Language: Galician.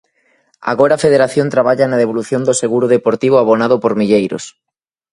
Agora a Federación traballa na devolución do seguro deportivo abonado por milleiros.